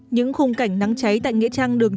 những khung cảnh nắng cháy tại nghĩa trang đường chín